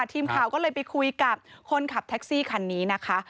ทีมข่าวก็เลยไปคุยกับคนขับแท็กซี่คันนี้นะคะ